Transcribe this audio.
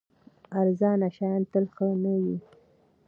ارزانه شیان تل ښه نه وي.